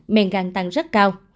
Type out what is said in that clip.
men gan tăng rất cao